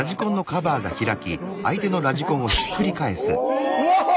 おお！